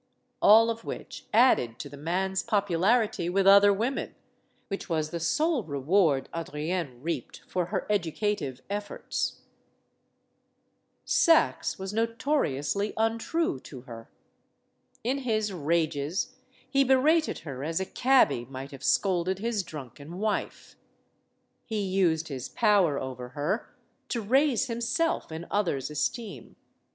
All of which added to the man's popularity with other women; which was the sole reward Adrienne reaped for her educative efforts. ADRIENNE LECOUVREUR 127 Saxe was notoriously untrue to her. In his rages he berated her as a cabby might have scolded his drunken wife. He used his power over her to raise hirnself in others* esteem.